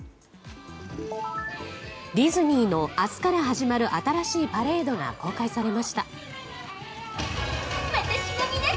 ディズニーの明日から始まる新しいパレードが公開されました。